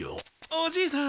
おじいさん